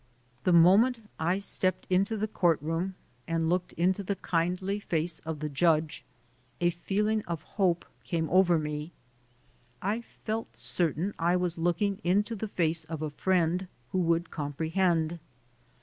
The moment I stepped into the courtroom and looked into the kindly face of the judge a feeling I GO TO JAIL 117 of hope came over me. I felt certain I was looking into the face of a friend who would comprehend.